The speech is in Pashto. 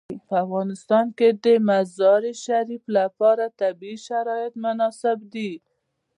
په افغانستان کې د مزارشریف لپاره طبیعي شرایط مناسب دي.